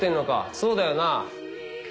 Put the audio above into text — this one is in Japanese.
そうだよな。